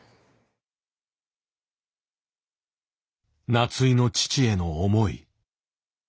夏井の父への思い。